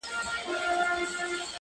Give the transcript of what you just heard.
زه به له خپل دياره ولاړ سمه.